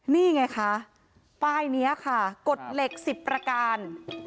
นี่ไงคะป้ายนี้ค่ะกฎเหล็ก๑๐ประการ